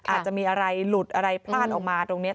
อาจจะมีอะไรหลุดอะไรพลาดออกมาตรงนี้